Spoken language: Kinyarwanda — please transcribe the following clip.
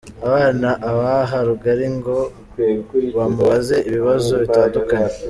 Abana abaha rugari ngo bamubaze ibibazo bitandukanye.